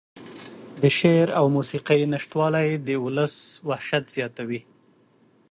د شعر او موسيقۍ نشتوالى د اولس وحشت زياتوي.